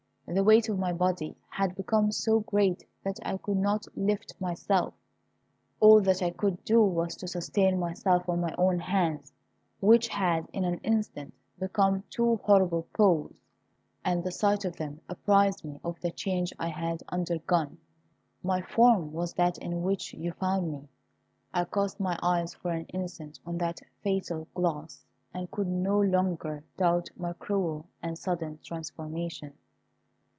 The weight of my body had become so great that I could not lift myself; all that I could do was to sustain myself on my hands, which had in an instant become two horrible paws, and the sight of them apprised me of the change I had undergone. My form was that in which you found me. I cast my eyes for an instant on that fatal glass, and could no longer doubt my cruel and sudden transformation.